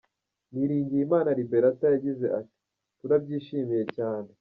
Niringiyimana Liberatha yagize ati “ Turabyishimiye cyane.